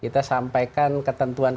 kita juga sudah mempublikasikan pengawasan tps